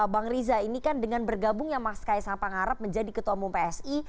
bang riza ini kan dengan bergabungnya mas kaisang pangarep menjadi ketua umum psi